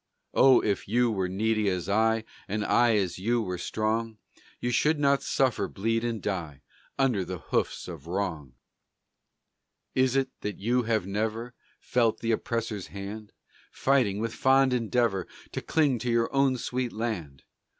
Oh, if you were needy as I, And I as you were strong, You should not suffer, bleed, and die, Under the hoofs of wrong! Is it that you have never Felt the oppressor's hand, Fighting, with fond endeavor, To cling to your own sweet land?